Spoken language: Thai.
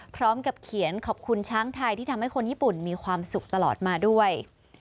พร้อมกับเขียนขอบคุณช้างไทยที่ทำให้คนญี่ปุ่นมีความสุขตลอดมาด้วย